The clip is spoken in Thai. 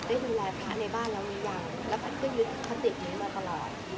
ได้ดูแลพระในบ้านแล้วมียังแล้วก็ยึดภาษีนี้มาตลอด